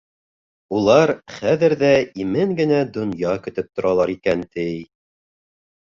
Улар хәҙер ҙә имен генә донъя көтөп торалар икән, ти.